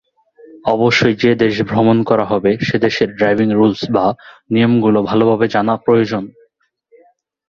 অবশ্যই যে দেশ ভ্রমণ করা হবে সেদেশের ড্রাইভিং রুলস বা নিয়মগুলো ভালোভাবে জানা প্রয়োজন।